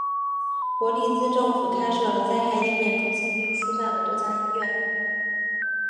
伯利兹政府开设了灾害应变中心并疏散了多家医院。